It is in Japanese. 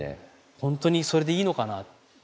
本当にそれでいいのかな。